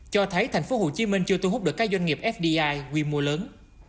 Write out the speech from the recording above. cho thấy thành phố hồ chí minh chưa thu hút được các doanh nghiệp fdi quy mô lớn